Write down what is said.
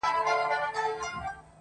o مخ ته مي لاس راوړه چي ومي نه خوري.